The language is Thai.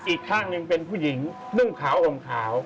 อีกข้างหนึ่งเป็นผู้หญิงนุ่งขาวห่มขาว